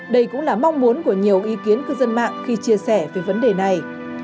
đây cũng là mong muốn của nhiều ý kiến cư dân mạng khi chia sẻ về vấn đề này